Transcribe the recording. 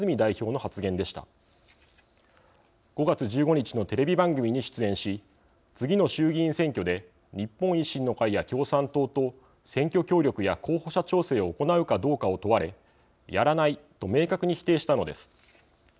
５月１５日のテレビ番組に出演し次の衆議院選挙で日本維新の会や共産党と選挙協力や候補者調整を行うかどうかを問われやらないと明確に否定したのです。